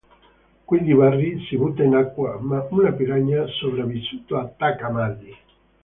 Quindi Barry si butta in acqua, ma un piranha sopravvissuto attacca Maddy.